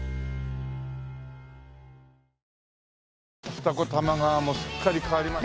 二子玉川もすっかり変わりました。